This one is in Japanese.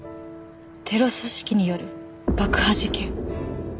テロ組織による爆破事件。